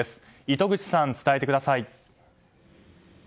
糸口さん、伝えてください。